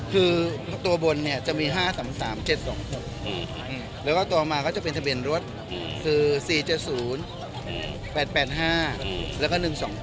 คือตัวบนเนี่ยจะมี๕๓๓๗๒๖แล้วก็ตัวมาก็จะเป็นทะเบียนรถคือ๔๗๐๘๘๕แล้วก็๑๒๘